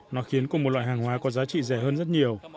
nó khiến cùng một loại hàng hóa có giá trị rẻ hơn rất nhiều